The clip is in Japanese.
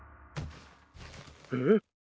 えっ？